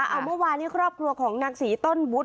เอาเมื่อวานี้ครอบครัวของนางศรีต้นวุฒิ